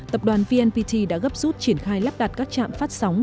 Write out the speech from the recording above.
tập đoàn vnpt đã gấp rút triển khai lắp đặt các trạm phát sóng